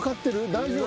大丈夫？